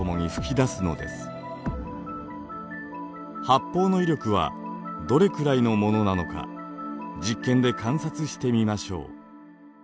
発泡の威力はどれくらいのものなのか実験で観察してみましょう。